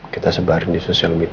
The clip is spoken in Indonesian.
kita sebarin di sosial media